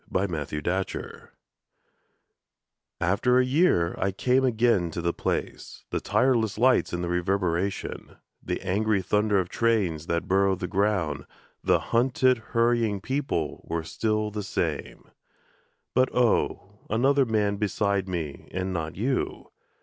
IN A SUBWAY STATION AFTER a year I came again to the place; The tireless lights and the reverberation, The angry thunder of trains that burrow the ground, The hunted, hurrying people were still the same But oh, another man beside me and not you!